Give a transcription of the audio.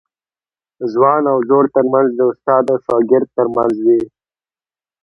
ځوان او زوړ ترمنځ د استاد او شاګرد ترمنځ وي.